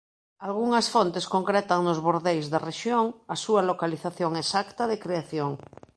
Algunhas fontes concretan nos bordeis da rexión a súa localización exacta de creación.